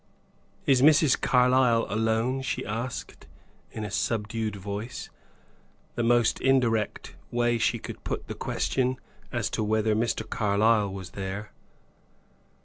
"Is Mrs. Carlyle alone?" she asked, in a subdued voice. The most indirect way she could put the question, as to whether Mr. Carlyle was there.